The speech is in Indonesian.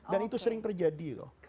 dan itu sering terjadi loh